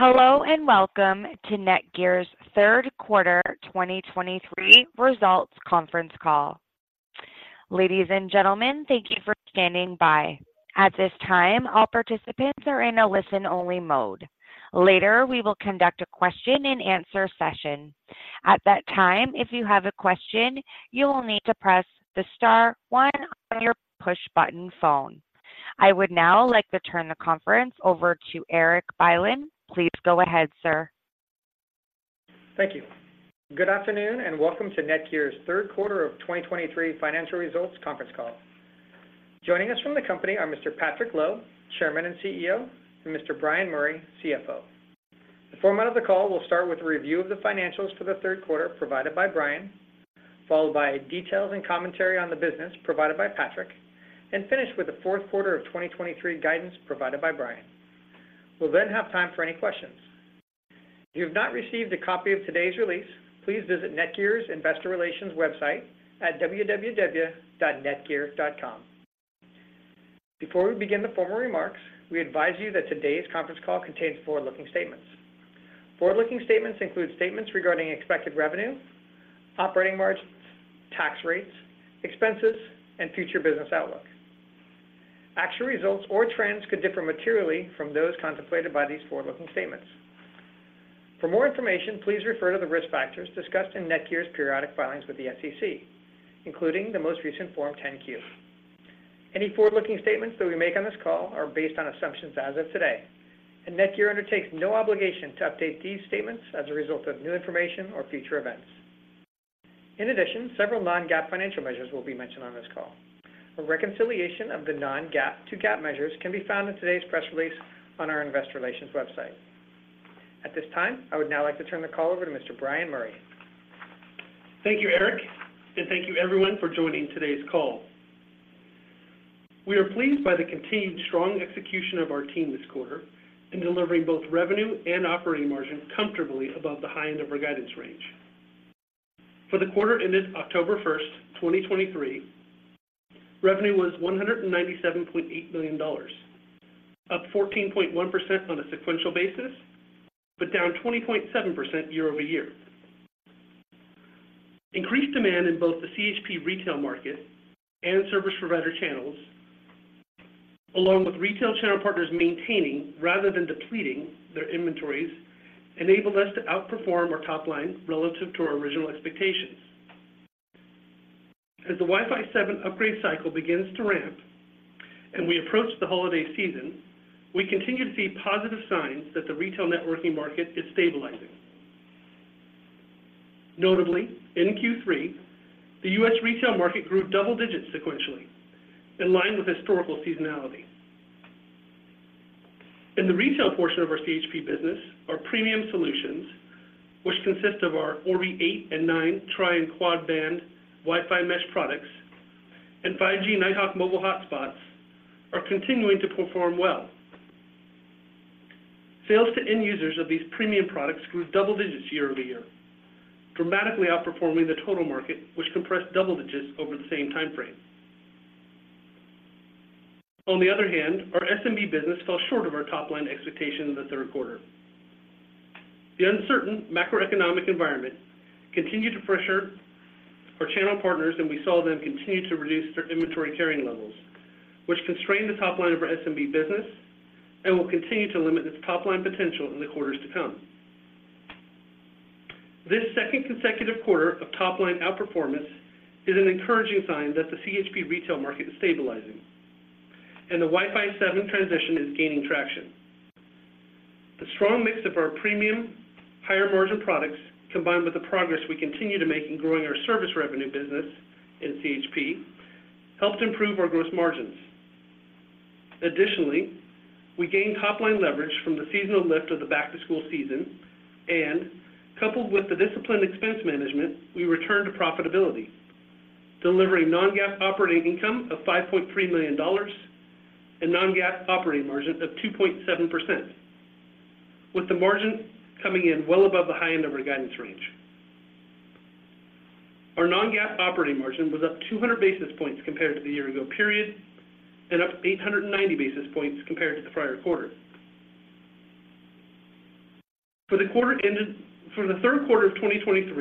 Hello, and welcome to NETGEAR's third quarter 2023 results conference call. Ladies and gentlemen, thank you for standing by. At this time, all participants are in a listen-only mode. Later, we will conduct a question-and-answer session. At that time, if you have a question, you will need to press the star one on your push-button phone. I would now like to turn the conference over to Erik Bylin. Please go ahead, sir. Thank you. Good afternoon, and welcome to NETGEAR's third quarter of 2023 financial results conference call. Joining us from the company are Mr. Patrick Lo, Chairman and CEO, and Mr. Bryan Murray, CFO. The format of the call will start with a review of the financials for the third quarter provided by Bryan, followed by details and commentary on the business provided by Patrick, and finish with the fourth quarter of 2023 guidance provided by Bryan. We'll then have time for any questions. If you have not received a copy of today's release, please visit NETGEAR's Investor Relations website at www.netgear.com. Before we begin the formal remarks, we advise you that today's conference call contains forward-looking statements. Forward-looking statements include statements regarding expected revenue, operating margins, tax rates, expenses, and future business outlook. Actual results or trends could differ materially from those contemplated by these forward-looking statements. For more information, please refer to the risk factors discussed in NETGEAR's periodic filings with the SEC, including the most recent Form 10-Q. Any forward-looking statements that we make on this call are based on assumptions as of today, and NETGEAR undertakes no obligation to update these statements as a result of new information or future events. In addition, several Non-GAAP financial measures will be mentioned on this call. A reconciliation of the Non-GAAP to GAAP measures can be found in today's press release on our Investor Relations website. At this time, I would now like to turn the call over to Mr. Bryan Murray. Thank you, Erik, and thank you everyone for joining today's call. We are pleased by the continued strong execution of our team this quarter in delivering both revenue and operating margin comfortably above the high end of our guidance range. For the quarter ended October 1, 2023, revenue was $197.8 million, up 14.1% on a sequential basis, but down 20.7% year-over-year. Increased demand in both the CHP retail market and service provider channels, along with retail channel partners maintaining rather than depleting their inventories, enabled us to outperform our top line relative to our original expectations. As the Wi-Fi 7 upgrade cycle begins to ramp and we approach the holiday season, we continue to see positive signs that the retail networking market is stabilizing. Notably, in Q3, the U.S. retail market grew double digits sequentially, in line with historical seasonality. In the retail portion of our CHP business, our premium solutions, which consist of our Orbi 8 and 9 tri- and quad-band Wi-Fi mesh products and 5G Nighthawk mobile hotspots, are continuing to perform well. Sales to end users of these premium products grew double digits year-over-year, dramatically outperforming the total market, which compressed double digits over the same time frame. On the other hand, our SMB business fell short of our top-line expectations in the third quarter. The uncertain macroeconomic environment continued to pressure our channel partners, and we saw them continue to reduce their inventory carrying levels, which constrained the top line of our SMB business and will continue to limit its top-line potential in the quarters to come. This second consecutive quarter of top-line outperformance is an encouraging sign that the CHP retail market is stabilizing, and the Wi-Fi 7 transition is gaining traction. The strong mix of our premium, higher-margin products, combined with the progress we continue to make in growing our service revenue business in CHP, helped improve our gross margins. Additionally, we gained top-line leverage from the seasonal lift of the back-to-school season, and coupled with the disciplined expense management, we returned to profitability, delivering non-GAAP operating income of $5.3 million and non-GAAP operating margin of 2.7%, with the margin coming in well above the high end of our guidance range. Our non-GAAP operating margin was up 200 basis points compared to the year ago period and up 890 basis points compared to the prior quarter. For the quarter ended for the third quarter of 2023,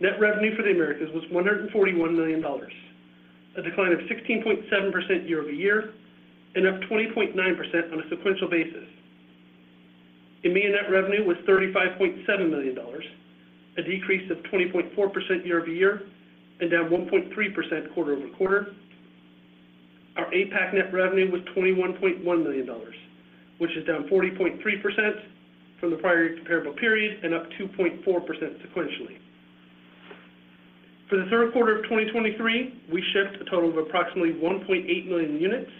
net revenue for the Americas was $141 million, a decline of 16.7% year-over-year and up 20.9% on a sequential basis. EMEA net revenue was $35.7 million, a decrease of 20.4% year-over-year and down 1.3% quarter-over-quarter. Our APAC net revenue was $21.1 million, which is down 40.3% from the prior comparable period and up 2.4% sequentially. For the third quarter of 2023, we shipped a total of approximately 1.8 million units,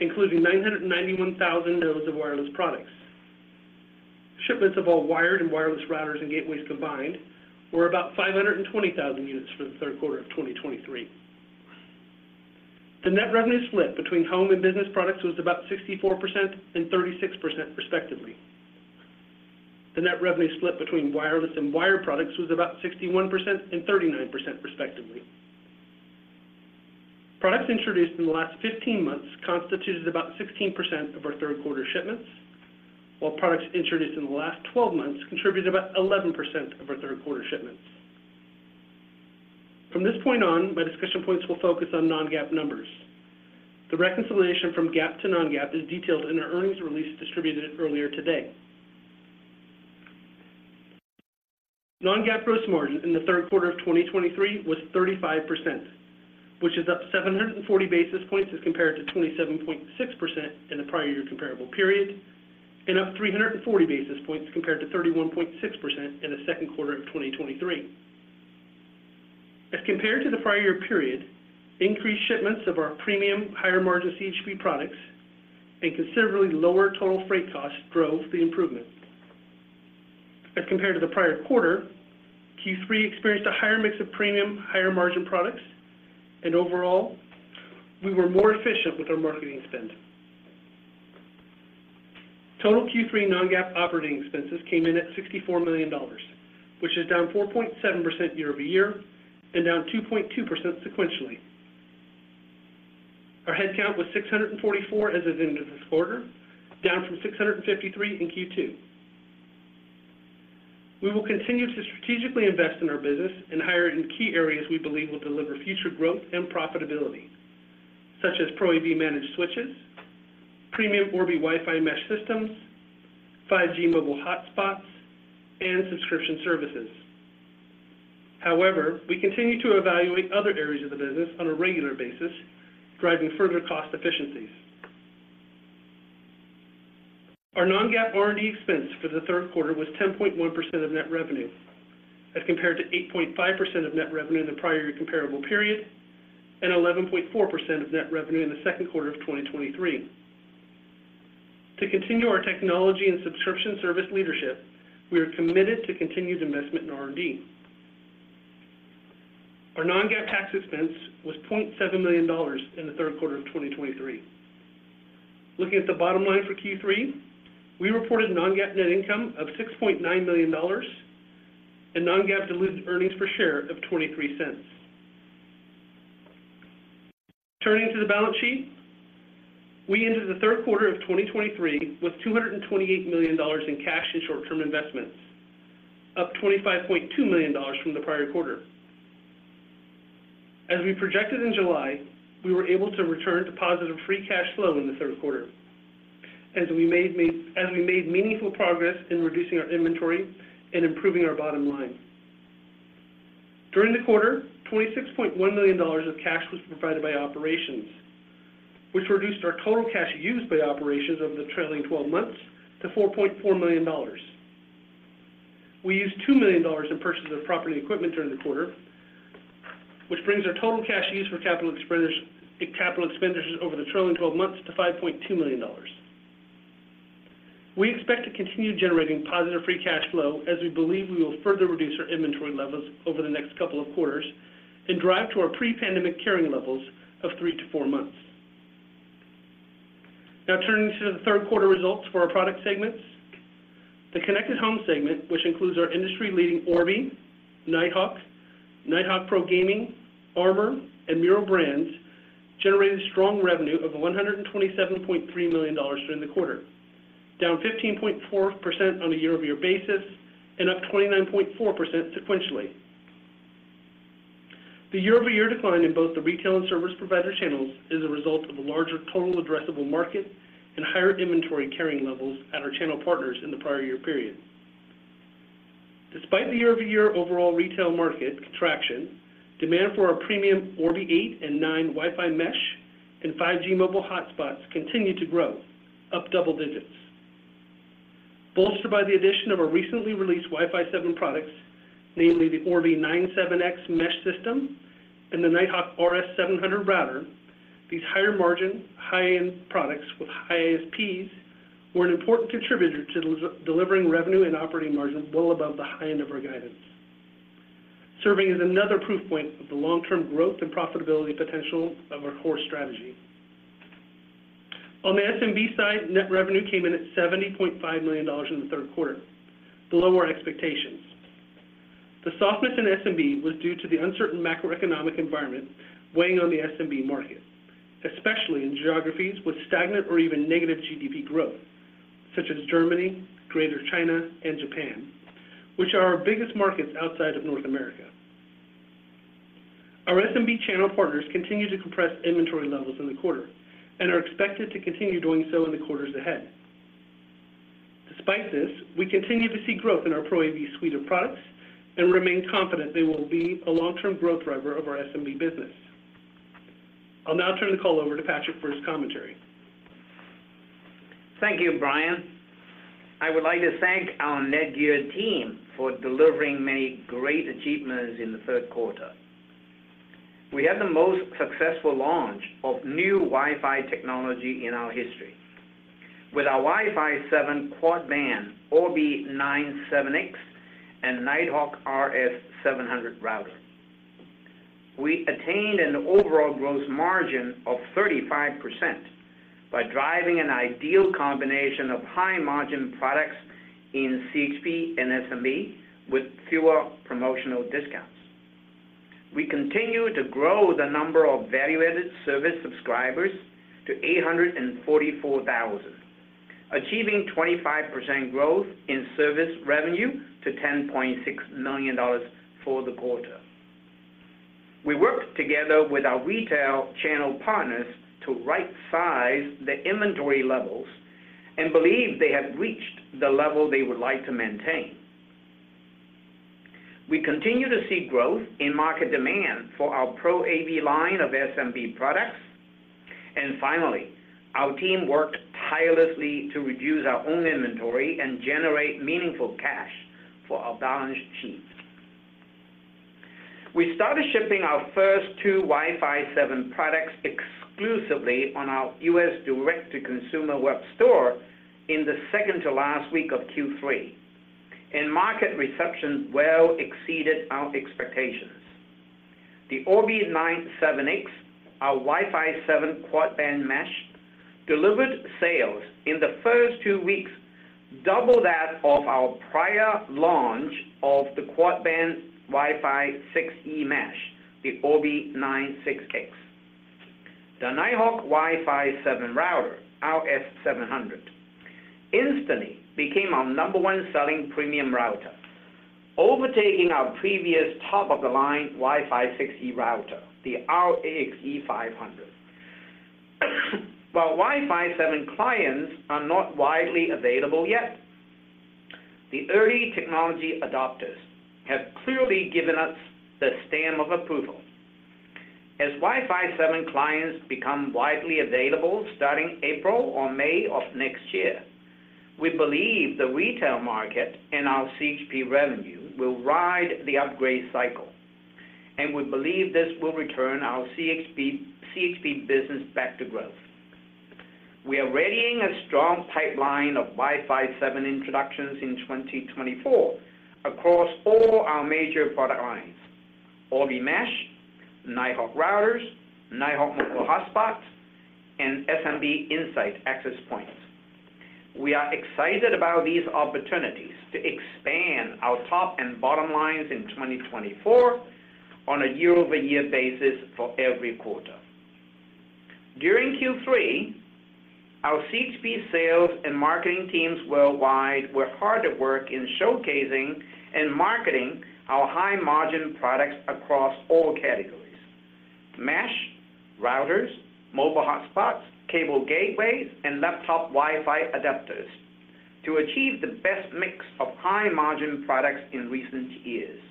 including 991,000 units of wireless products. Shipments of all wired and wireless routers and gateways combined were about 520,000 units for the third quarter of 2023. The net revenue split between home and business products was about 64% and 36%, respectively. The net revenue split between wireless and wired products was about 61% and 39%, respectively.... Products introduced in the last 15 months constituted about 16% of our third quarter shipments, while products introduced in the last 12 months contributed about 11% of our third quarter shipments. From this point on, my discussion points will focus on non-GAAP numbers. The reconciliation from GAAP to non-GAAP is detailed in our earnings release distributed earlier today. Non-GAAP gross margin in the third quarter of 2023 was 35%, which is up 740 basis points as compared to 27.6% in the prior year comparable period, and up 340 basis points compared to 31.6% in the second quarter of 2023. As compared to the prior year period, increased shipments of our premium higher margin CHP products and considerably lower total freight costs drove the improvement. As compared to the prior quarter, Q3 experienced a higher mix of premium, higher margin products, and overall, we were more efficient with our marketing spend. Total Q3 non-GAAP operating expenses came in at $64 million, which is down 4.7% year-over-year and down 2.2% sequentially. Our headcount was 644 as of the end of this quarter, down from 653 in Q2. We will continue to strategically invest in our business and hire in key areas we believe will deliver future growth and profitability, such as Pro AV managed switches, premium Orbi Wi-Fi mesh systems, 5G mobile hotspots, and subscription services. However, we continue to evaluate other areas of the business on a regular basis, driving further cost efficiencies. Our non-GAAP R&D expense for the third quarter was 10.1% of net revenue, as compared to 8.5% of net revenue in the prior year comparable period, and 11.4% of net revenue in the second quarter of 2023. To continue our technology and subscription service leadership, we are committed to continued investment in R&D. Our non-GAAP tax expense was $0.7 million in the third quarter of 2023. Looking at the bottom line for Q3, we reported non-GAAP net income of $6.9 million and non-GAAP diluted earnings per share of $0.23. Turning to the balance sheet, we ended the third quarter of 2023 with $228 million in cash and short-term investments, up $25.2 million from the prior quarter. As we projected in July, we were able to return to positive free cash flow in the third quarter as we made meaningful progress in reducing our inventory and improving our bottom line. During the quarter, $26.1 million of cash was provided by operations, which reduced our total cash used by operations over the trailing twelve months to $4.4 million. We used $2 million in purchases of property equipment during the quarter, which brings our total cash use for capital expenditures, capital expenditures over the trailing twelve months to $5.2 million. We expect to continue generating positive free cash flow as we believe we will further reduce our inventory levels over the next couple of quarters and drive to our pre-pandemic carrying levels of 3-4 months. Now, turning to the third quarter results for our product segments. The Connected Home segment, which includes our industry-leading Orbi, Nighthawk, Nighthawk Pro Gaming, Armor, and Meural brands, generated strong revenue of $127.3 million during the quarter, down 15.4% on a year-over-year basis and up 29.4% sequentially. The year-over-year decline in both the retail and service provider channels is a result of a larger total addressable market and higher inventory carrying levels at our channel partners in the prior year period. Despite the year-over-year overall retail market contraction, demand for our premium Orbi 8 and 9 Wi-Fi mesh and 5G mobile hotspots continued to grow, up double digits. Bolstered by the addition of our recently released Wi-Fi 7 products, namely the Orbi 970 mesh system and the Nighthawk RS700 router, these higher margin, high-end products with high ASPs were an important contributor to delivering revenue and operating margins well above the high end of our guidance, serving as another proof point of the long-term growth and profitability potential of our core strategy. On the SMB side, net revenue came in at $70.5 million in the third quarter, below our expectations. The softness in SMB was due to the uncertain macroeconomic environment weighing on the SMB market, especially in geographies with stagnant or even negative GDP growth, such as Germany, Greater China, and Japan, which are our biggest markets outside of North America. Our SMB channel partners continued to compress inventory levels in the quarter and are expected to continue doing so in the quarters ahead. Despite this, we continue to see growth in our Pro AV suite of products and remain confident they will be a long-term growth driver of our SMB business. I'll now turn the call over to Patrick for his commentary. Thank you, Bryan. I would like to thank our NETGEAR team for delivering many great achievements in the third quarter. We had the most successful launch of new Wi-Fi technology in our history with our Wi-Fi 7 quad-band Orbi 970 and Nighthawk RS700 router. We attained an overall gross margin of 35% by driving an ideal combination of high-margin products in CHP and SMB with fewer promotional discounts. We continue to grow the number of value-added service subscribers to 844,000, achieving 25% growth in service revenue to $10.6 million for the quarter. We worked together with our retail channel partners to right-size the inventory levels and believe they have reached the level they would like to maintain. We continue to see growth in market demand for our Pro AV line of SMB products. Finally, our team worked tirelessly to reduce our own inventory and generate meaningful cash for our balance sheet. We started shipping our first two Wi-Fi 7 products exclusively on our U.S. direct-to-consumer web store in the second-to-last week of Q3, and market reception well exceeded our expectations. The Orbi 970, our Wi-Fi 7 quad-band mesh, delivered sales in the first two weeks, double that of our prior launch of the quad-band Wi-Fi 6E mesh, the Orbi 960. The Nighthawk Wi-Fi 7 router, our RS700, instantly became our number one selling premium router, overtaking our previous top-of-the-line Wi-Fi 6E router, the RAXE500. While Wi-Fi 7 clients are not widely available yet, the early technology adopters have clearly given us the stamp of approval. As Wi-Fi 7 clients become widely available starting April or May of next year, we believe the retail market and our CHP revenue will ride the upgrade cycle, and we believe this will return our CHP business back to growth. We are readying a strong pipeline of Wi-Fi 7 introductions in 2024 across all our major product lines: Orbi Mesh, Nighthawk Routers, Nighthawk Mobile Hotspots, and SMB Insight Access Points. We are excited about these opportunities to expand our top and bottom lines in 2024 on a year-over-year basis for every quarter. During Q3, our CHP sales and marketing teams worldwide were hard at work in showcasing and marketing our high-margin products across all categories: Mesh, routers, mobile hotspots, cable gateways, and laptop Wi-Fi adapters, to achieve the best mix of high-margin products in recent years.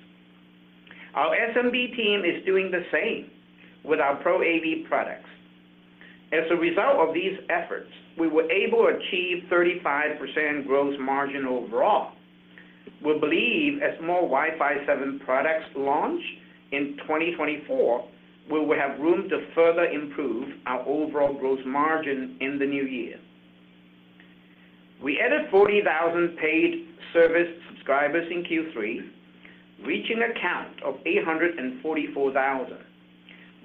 Our SMB team is doing the same with our Pro AV products. As a result of these efforts, we were able to achieve 35% gross margin overall. We believe as more Wi-Fi 7 products launch in 2024, we will have room to further improve our overall gross margin in the new year. We added 40,000 paid service subscribers in Q3, reaching a count of 844,000.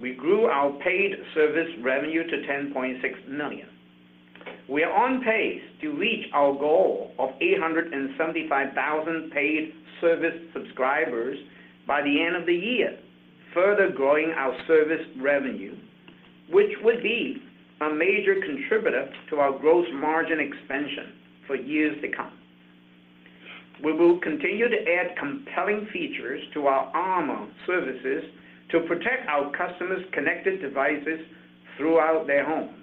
We grew our paid service revenue to $10.6 million. We are on pace to reach our goal of 875,000 paid service subscribers by the end of the year, further growing our service revenue, which will be a major contributor to our gross margin expansion for years to come. We will continue to add compelling features to our Armor services to protect our customers' connected devices throughout their homes.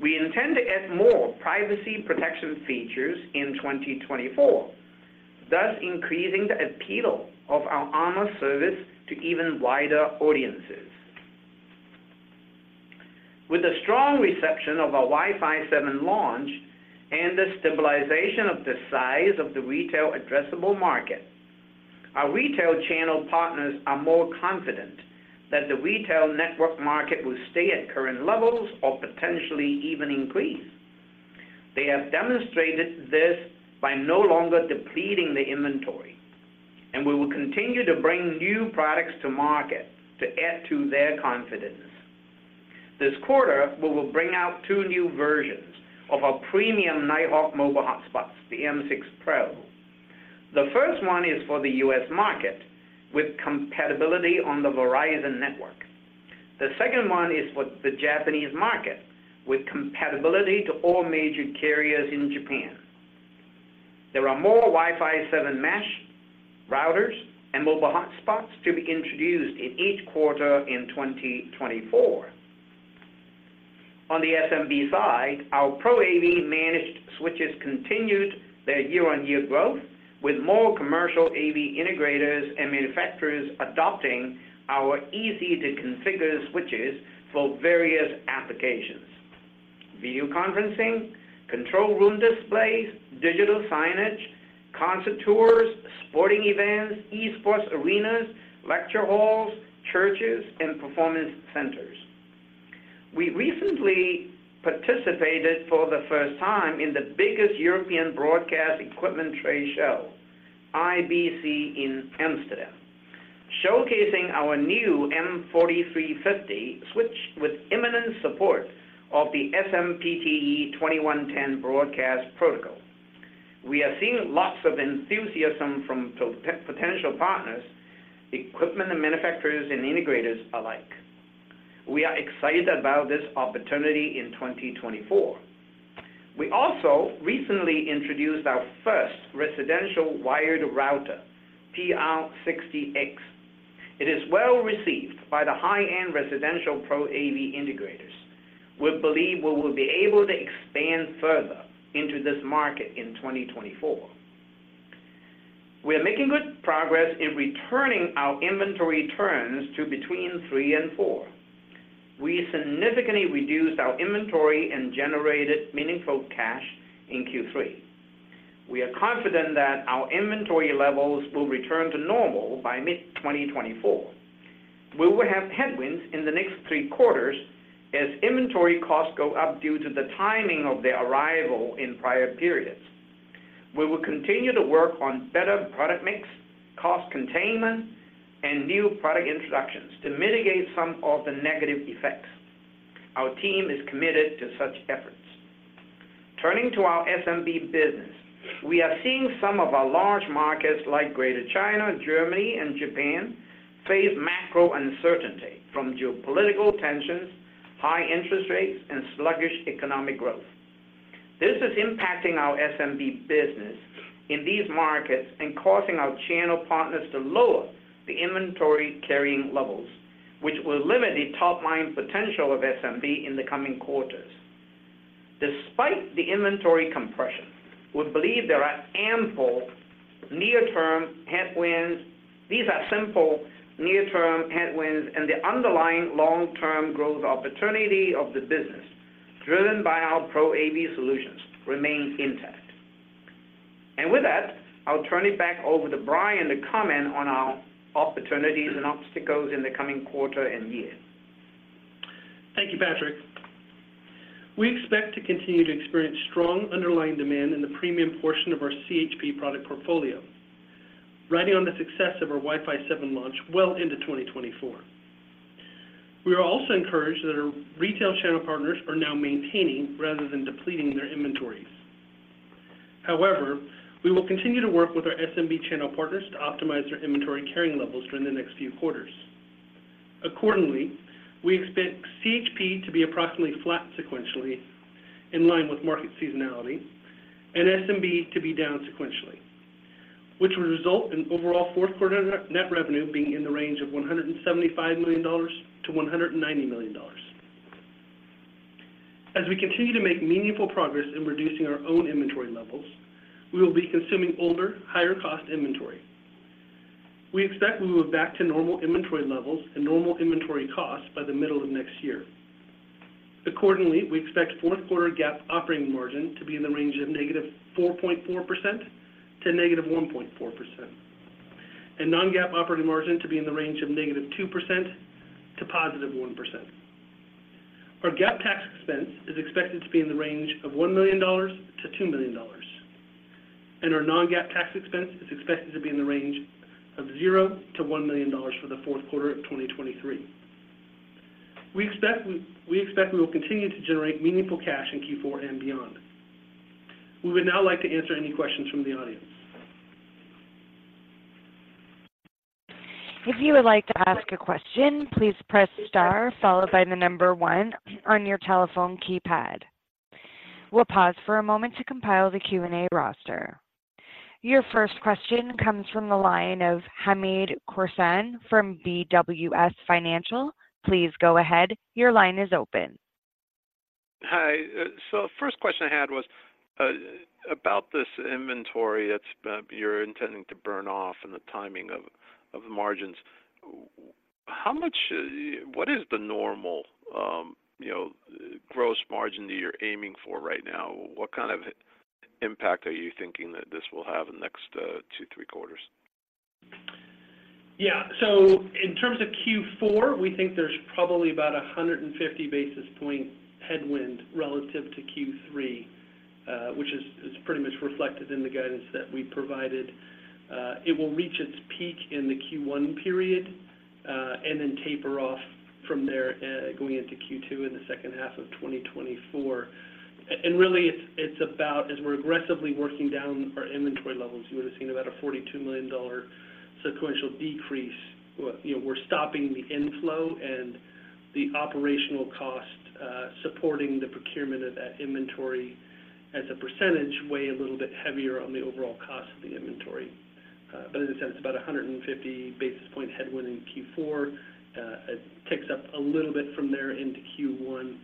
We intend to add more privacy protection features in 2024, thus increasing the appeal of our Armor service to even wider audiences. With the strong reception of our Wi-Fi 7 launch and the stabilization of the size of the retail addressable market, our retail channel partners are more confident that the retail network market will stay at current levels or potentially even increase. They have demonstrated this by no longer depleting the inventory, and we will continue to bring new products to market to add to their confidence. This quarter, we will bring out two new versions of our premium Nighthawk mobile hotspots, the M6 Pro. The first one is for the U.S. market, with compatibility on the Verizon network. The second one is for the Japanese market, with compatibility to all major carriers in Japan. There are more Wi-Fi 7 mesh routers and mobile hotspots to be introduced in each quarter in 2024. On the SMB side, our Pro AV managed switches continued their year-on-year growth, with more commercial AV integrators and manufacturers adopting our easy-to-configure switches for various applications: video conferencing, control room displays, digital signage, concert tours, sporting events, eSports arenas, lecture halls, churches, and performance centers. We recently participated for the first time in the biggest European broadcast equipment trade show, IBC in Amsterdam, showcasing our new M4350 switch with imminent support of the SMPTE 2110 broadcast protocol. We are seeing lots of enthusiasm from potential partners, equipment manufacturers, and integrators alike. We are excited about this opportunity in 2024. We also recently introduced our first residential wired router, PR60X. It is well received by the high-end residential Pro AV integrators. We believe we will be able to expand further into this market in 2024. We are making good progress in returning our inventory turns to between 3 and 4. We significantly reduced our inventory and generated meaningful cash in Q3. We are confident that our inventory levels will return to normal by mid-2024. We will have headwinds in the next 3 quarters as inventory costs go up due to the timing of the arrival in prior periods. We will continue to work on better product mix, cost containment, and new product introductions to mitigate some of the negative effects. Our team is committed to such efforts. Turning to our SMB business, we are seeing some of our large markets, like Greater China, Germany, and Japan, face macro uncertainty from geopolitical tensions, high interest rates, and sluggish economic growth. This is impacting our SMB business in these markets and causing our channel partners to lower the inventory carrying levels, which will limit the top-line potential of SMB in the coming quarters. Despite the inventory compression, we believe there are ample near-term headwinds. These are simple near-term headwinds, and the underlying long-term growth opportunity of the business, driven by our Pro AV solutions, remains intact. With that, I'll turn it back over to Bryan to comment on our opportunities and obstacles in the coming quarter and year. Thank you, Patrick. We expect to continue to experience strong underlying demand in the premium portion of our CHP product portfolio, riding on the success of our Wi-Fi 7 launch well into 2024. We are also encouraged that our retail channel partners are now maintaining rather than depleting their inventories. However, we will continue to work with our SMB channel partners to optimize their inventory carrying levels during the next few quarters. Accordingly, we expect CHP to be approximately flat sequentially, in line with market seasonality, and SMB to be down sequentially, which will result in overall fourth quarter net, net revenue being in the range of $175 million-$190 million. As we continue to make meaningful progress in reducing our own inventory levels, we will be consuming older, higher-cost inventory. We expect we will move back to normal inventory levels and normal inventory costs by the middle of next year. Accordingly, we expect fourth quarter GAAP operating margin to be in the range of -4.4% to -1.4%, and non-GAAP operating margin to be in the range of -2% to +1%. Our GAAP tax expense is expected to be in the range of $1 million-$2 million, and our non-GAAP tax expense is expected to be in the range of $0-$1 million for the fourth quarter of 2023. We expect we will continue to generate meaningful cash in Q4 and beyond. We would now like to answer any questions from the audience. If you would like to ask a question, please press star followed by the number one on your telephone keypad. We'll pause for a moment to compile the Q&A roster. Your first question comes from the line of Hamed Khorsand from BWS Financial. Please go ahead. Your line is open. Hi. So first question I had was about this inventory that's you're intending to burn off and the timing of the margins. How much, what is the normal, you know, gross margin that you're aiming for right now? What kind of impact are you thinking that this will have in the next, two, three quarters? Yeah. So in terms of Q4, we think there's probably about 150 basis points headwind relative to Q3, which is pretty much reflected in the guidance that we provided. It will reach its peak in the Q1 period, and then taper off from there, going into Q2 in the second half of 2024. And really, it's about as we're aggressively working down our inventory levels, you would have seen about a $42 million sequential decrease. You know, we're stopping the inflow and the operational cost supporting the procurement of that inventory as a percentage weigh a little bit heavier on the overall cost of the inventory. But in a sense, about a 150 basis point headwind in Q4. It ticks up a little bit from there into Q1,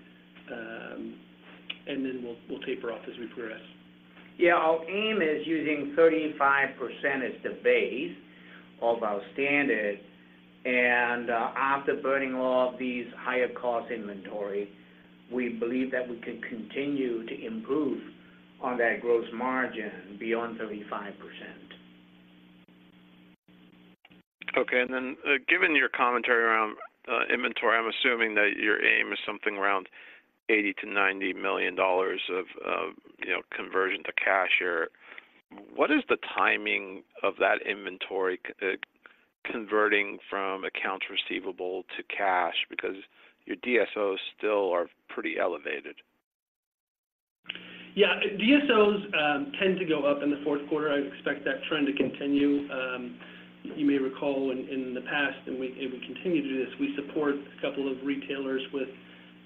and then will taper off as we progress. Yeah, our aim is using 35% as the base of our standard, and after burning all of these higher-cost inventory, we believe that we can continue to improve on that gross margin beyond 35%. Okay. And then, given your commentary around inventory, I'm assuming that your aim is something around $80 million-$90 million of, you know, conversion to cash here. What is the timing of that inventory converting from accounts receivable to cash? Because your DSOs still are pretty elevated. Yeah, DSOs tend to go up in the fourth quarter. I expect that trend to continue. You may recall in, in the past, and we, and we continue to do this, we support a couple of retailers with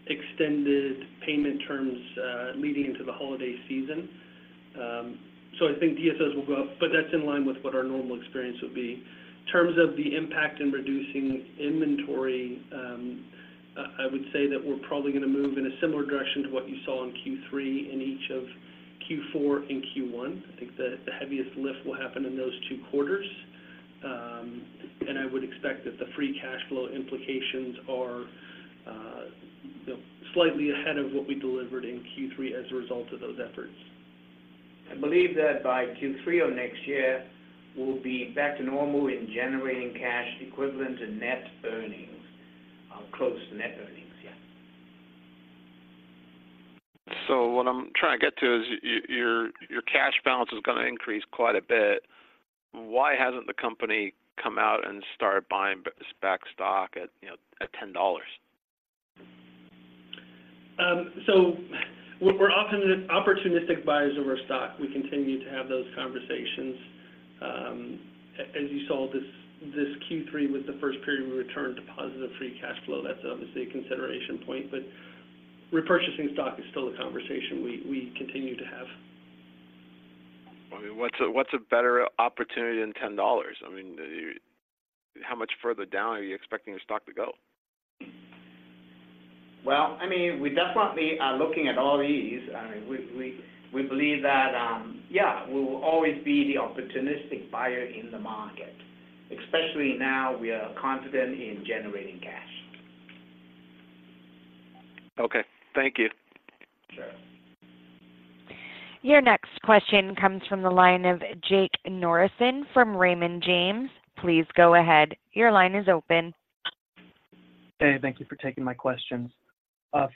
extended payment terms, leading into the holiday season. So I think DSOs will go up, but that's in line with what our normal experience would be. In terms of the impact in reducing inventory, I, I would say that we're probably going to move in a similar direction to what you saw in Q3, in each of Q4 and Q1. I think the, the heaviest lift will happen in those two quarters. And I would expect that the free cash flow implications are, slightly ahead of what we delivered in Q3 as a result of those efforts. I believe that by Q3 of next year, we'll be back to normal in generating cash equivalent and net earnings, or close to net earnings, yeah. So what I'm trying to get to is your cash balance is going to increase quite a bit. Why hasn't the company come out and started buying back stock at, you know, at $10? So, we're often opportunistic buyers of our stock. We continue to have those conversations. As you saw, this Q3 was the first period we returned to positive free cash flow. That's obviously a consideration point, but repurchasing stock is still a conversation we continue to have. I mean, what's a, what's a better opportunity than $10? I mean, how much further down are you expecting your stock to go? Well, I mean, we definitely are looking at all these. I mean, we believe that, yeah, we will always be the opportunistic buyer in the market, especially now, we are confident in generating cash. Okay, thank you. Sure. Your next question comes from the line of Jake Norison from Raymond James. Please go ahead. Your line is open. Hey, thank you for taking my questions.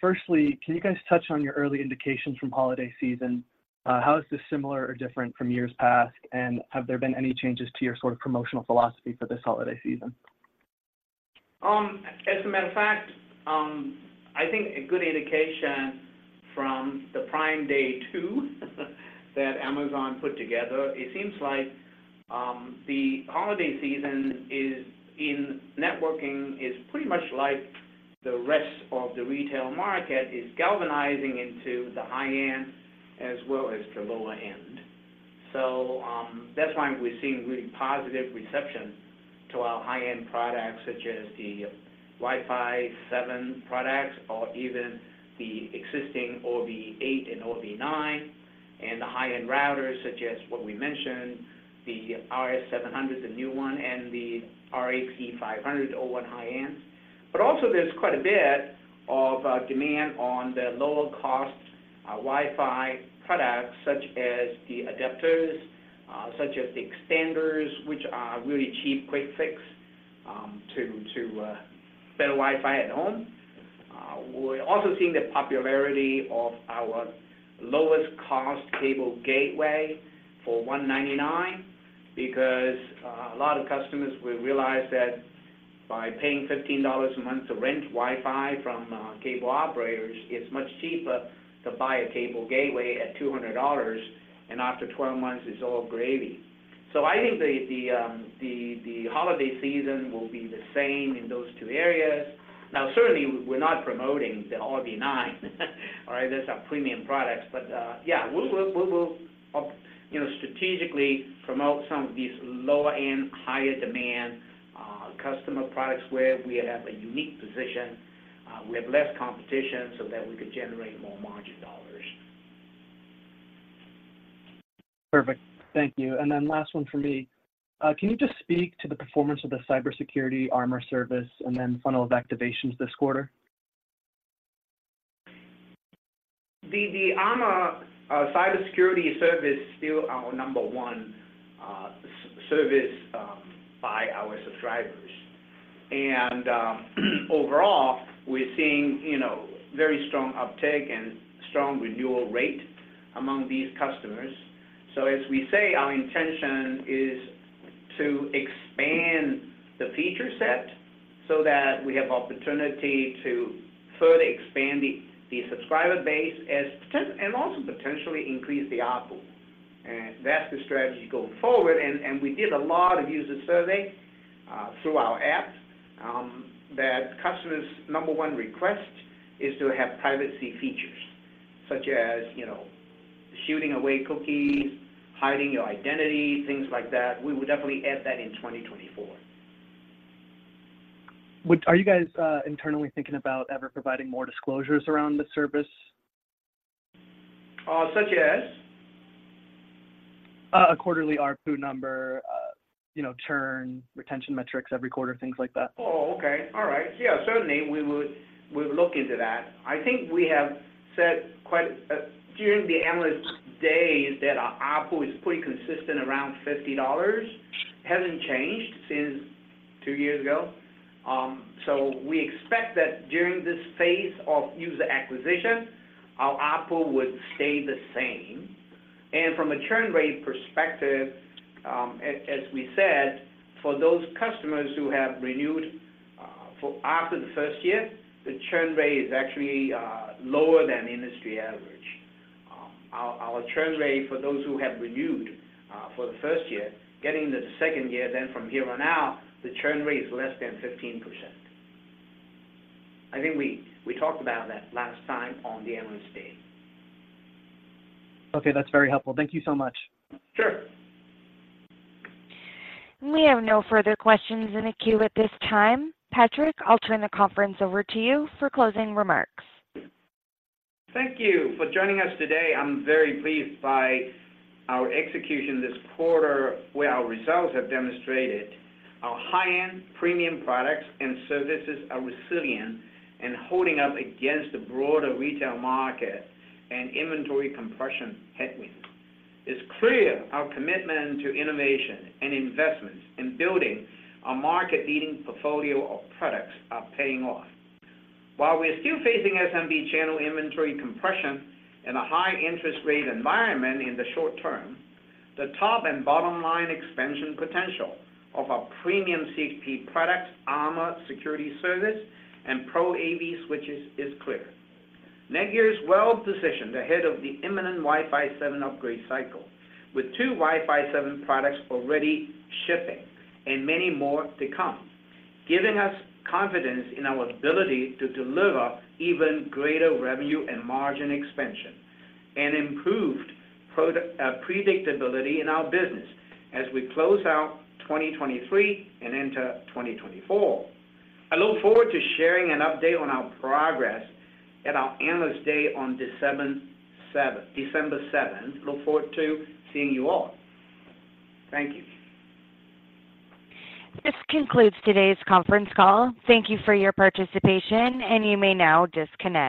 Firstly, can you guys touch on your early indications from holiday season? How is this similar or different from years past? Have there been any changes to your sort of promotional philosophy for this holiday season? As a matter of fact, I think a good indication from the Prime Day 2, that Amazon put together, it seems like, the holiday season in networking is pretty much like the rest of the retail market, is galvanizing into the high-end as well as the lower end. So, that's why we're seeing really positive reception to our high-end products, such as the Wi-Fi 7 products or even the existing Orbi 8 and Orbi 9, and the high-end routers, such as what we mentioned, the RS700, the new one, and the RAXE500, all on high-end. But also there's quite a bit of demand on the lower cost Wi-Fi products, such as the adapters, such as the extenders, which are really cheap, quick fix to better Wi-Fi at home. We're also seeing the popularity of our lowest cost cable gateway for $199, because a lot of customers will realize that by paying $15 a month to rent Wi-Fi from cable operators, it's much cheaper to buy a cable gateway at $200, and after 12 months, it's all gravy. So I think the holiday season will be the same in those two areas. Now, certainly, we're not promoting the Orbi 9, all right? That's our premium products. But yeah, we will, you know, strategically promote some of these lower-end, higher demand customer products where we have a unique position, we have less competition so that we could generate more margin dollars. Perfect. Thank you. Last one for me. Can you just speak to the performance of the cybersecurity Armor service and then funnel of activations this quarter? The Armor cybersecurity service is still our number one service by our subscribers. And overall, we're seeing, you know, very strong uptake and strong renewal rate among these customers. So as we say, our intention is to expand the feature set so that we have opportunity to further expand the subscriber base and also potentially increase the ARPU. And that's the strategy going forward. And we did a lot of user survey through our app that customers' number one request is to have privacy features, such as, you know, shying away cookies, hiding your identity, things like that. We would definitely add that in 2024. Are you guys internally thinking about ever providing more disclosures around the service? Such as? A quarterly ARPU number, you know, churn, retention metrics every quarter, things like that? Oh, okay. All right. Yeah, certainly, we would-- we'd look into that. I think we have said quite during the Analyst Day that our ARPU is pretty consistent around $50. Hasn't changed since two years ago. So we expect that during this phase of user acquisition, our ARPU would stay the same. And from a churn rate perspective, as we said, for those customers who have renewed for after the first year, the churn rate is actually lower than industry average. Our churn rate for those who have renewed for the first year, getting to the second year, then from here on out, the churn rate is less than 15%. I think we talked about that last time on the Analyst Day. Okay, that's very helpful. Thank you so much. Sure. We have no further questions in the queue at this time. Patrick, I'll turn the conference over to you for closing remarks. Thank you for joining us today. I'm very pleased by our execution this quarter, where our results have demonstrated our high-end premium products, and services are resilient and holding up against the broader retail market and inventory compression headwind. It's clear our commitment to innovation and investment in building a market-leading portfolio of products are paying off. While we're still facing SMB channel inventory compression and a high interest rate environment in the short term, the top and bottom line expansion potential of our premium CHP products, Armor security service, and Pro AV switches is clear. NETGEAR is well positioned ahead of the imminent Wi-Fi 7 upgrade cycle, with two Wi-Fi 7 products already shipping and many more to come, giving us confidence in our ability to deliver even greater revenue and margin expansion, and improved product predictability in our business as we close out 2023 and enter 2024. I look forward to sharing an update on our progress at our Analyst Day on December seventh, December seventh. Look forward to seeing you all. Thank you. This concludes today's conference call. Thank you for your participation, and you may now disconnect.